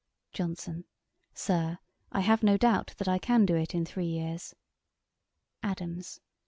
JOHNSON. Sir, I have no doubt that I can do it in three years. ADAMS.